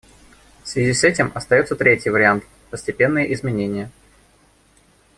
В связи с этим остается третий вариант — постепенные изменения.